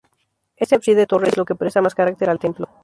Este ábside-torre es lo que presta más carácter al templo.